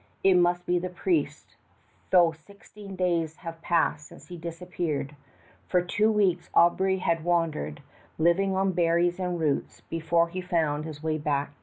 It must be the priest, though sixteen days have passed since he disappeared. For two weeks Aubry had wandered, living on berries and roots, before he found his way back to the sea.